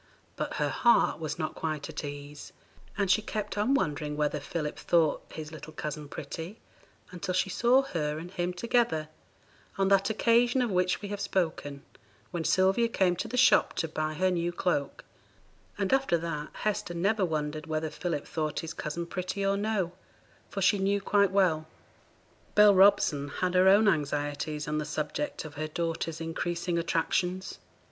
But her heart was not quite at ease, and she kept on wondering whether Philip thought his little cousin pretty until she saw her and him together, on that occasion of which we have spoken, when Sylvia came to the shop to buy her new cloak; and after that Hester never wondered whether Philip thought his cousin pretty or no, for she knew quite well. Bell Robson had her own anxieties on the subject of her daughter's increasing attractions.